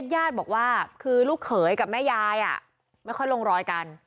ญาติบอกว่าคือลูกเขยกับแม่ยายไม่ค่อยลงรอยกัน